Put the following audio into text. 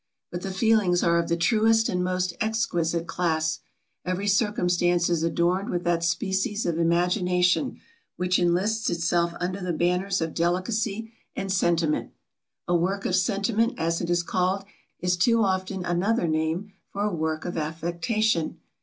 But the feelings are of the truest and most exquisite class; every circumstance is adorned with that species of imagination, which enlists itself under the banners of delicacy and sentiment. A work of sentiment, as it is called, is too often another name for a work of affectation.